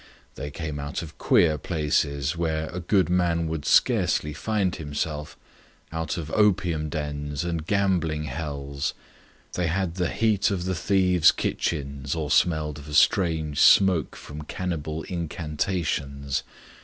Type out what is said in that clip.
They came out of queer places, where a good man would scarcely find himself, out of opium dens and gambling hells; they had the heat of the thieves' kitchens or smelled of a strange smoke from cannibal incantations.